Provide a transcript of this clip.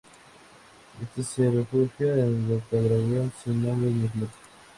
Éste se refugia en Rocadragón, sin hombres ni flota.